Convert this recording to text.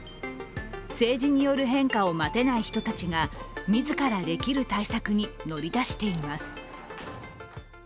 政治による変化を待てない人たちが自らできる対策に乗り出しています。